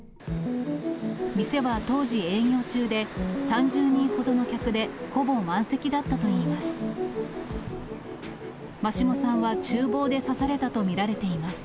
店は当時、営業中で、３０人ほどの客でほぼ満席だったといいます。